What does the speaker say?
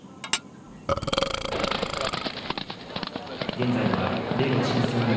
現在はれいわ新選組、